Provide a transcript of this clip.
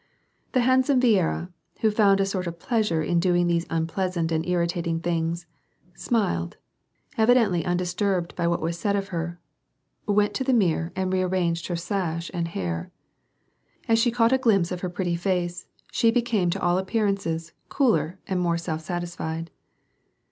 The handsome Viera, who found a sort of pleasure in doing these unpleasant and irritating things, smiled, evidently undis turbed by what was said of her, went to the mirror and rearranged her sash and hair. As she caught a glimpse of her ])retty face, she became to all appearances, cooler and more self satisfied.